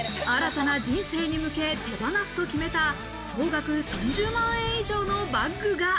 新たな人生に向け手放すと決めた総額３０万円以上のバッグが。